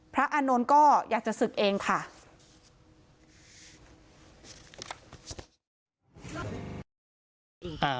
อานนท์ก็อยากจะศึกเองค่ะ